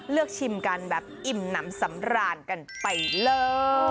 ชิมกันแบบอิ่มน้ำสำราญกันไปเลย